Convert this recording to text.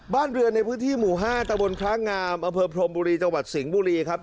บ้านเรือนในพื้นที่หมู่๕ตะบนพระงามอำเภอพรมบุรีจังหวัดสิงห์บุรีครับ